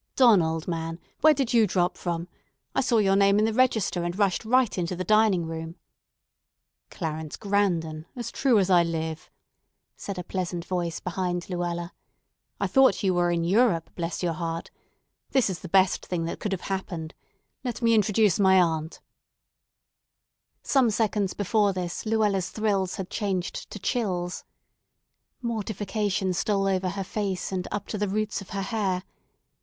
Don, old man, where did you drop from? I saw your name in the register, and rushed right into the dining room——" "Clarence Grandon, as true as I live!" said a pleasant voice behind Luella. "I thought you were in Europe, bless your heart. This is the best thing that could have happened. Let me introduce my aunt——" Some seconds before this Luella's thrills had changed to chills. Mortification stole over her face and up to the roots of her hair.